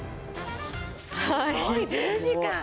すごい、１０時間。